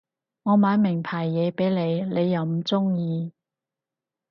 我買名牌嘢畀你你又唔中意